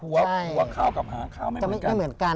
หัวข้าวกับหาข้าวไม่เหมือนกัน